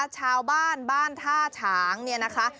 ชาวบ้านบ้านท่าฉางเนี่ยนะคะ